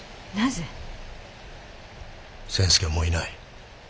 千助はもういない。